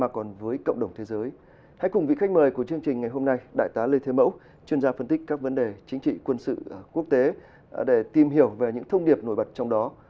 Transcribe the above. chương trình ngày hôm nay đại tá lê thế mẫu chuyên gia phân tích các vấn đề chính trị quân sự quốc tế để tìm hiểu về những thông điệp nổi bật trong đó